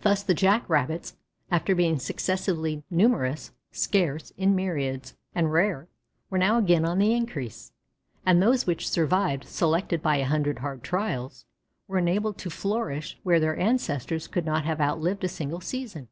Thus the Jack rabbits, after being successively numerous, scarce, in myriads, and rare, were now again on the increase, and those which survived, selected by a hundred hard trials, were enabled to flourish where their ancestors could not have outlived a single season.